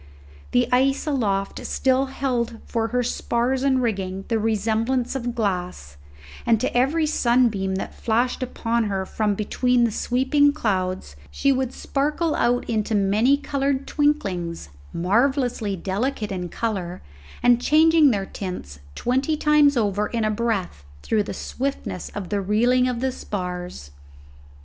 The ice aloft still held for her spars and rigging the resemblance of glass, and to every sunbeam that flashed upon her from between the sweeping clouds she would sparkle out into many coloured twinklings, marvellously delicate in colour, and changing their tints twenty times over in a breath through the swiftness of the reeling of the spars.